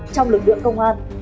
trong lực lượng công an